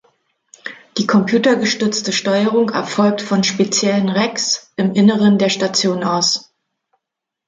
Die computergestützte Steuerung erfolgt von speziellen Racks im Inneren der Station aus.